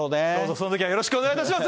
そのときはよろしくお願いいたします。